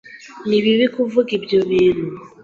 Ni bibi kuvanga ibyo bintu.